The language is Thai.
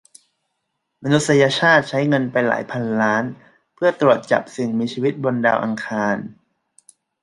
มนุษยชาติใช้เงินไปหลายพันล้านเพื่อตรวจจับสิ่งมีชีวิตบนดาวอังคาร